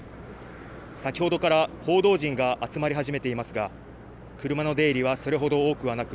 先ほどから報道陣が集まり始めていますが車の出入りはそれほど多くはなく